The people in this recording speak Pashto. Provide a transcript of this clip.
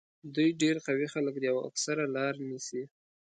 دوی ډېر قوي خلک دي او اکثره لارې نیسي.